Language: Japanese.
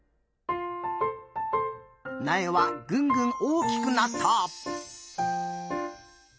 なえはぐんぐん大きくなった。